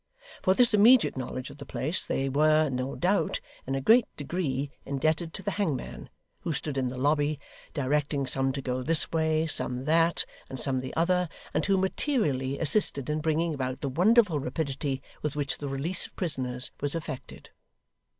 For this immediate knowledge of the place, they were, no doubt, in a great degree, indebted to the hangman, who stood in the lobby, directing some to go this way, some that, and some the other; and who materially assisted in bringing about the wonderful rapidity with which the release of the prisoners was effected.